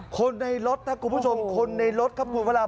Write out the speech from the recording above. คนในรถนะคุณผู้ชมคนในรถครับคุณพระราม